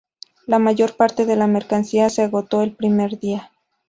La mayor parte de la mercancía se agotó el primer día.